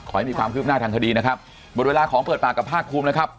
ขอให้มีความคืบหน้าทางคดีนะครับหมดเวลาของเปิดปากกับภาคภูมินะครับ